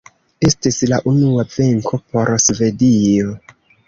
Estis la unua venko por Svedio.